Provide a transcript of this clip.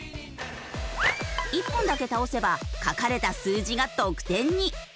１本だけ倒せば書かれた数字が得点に。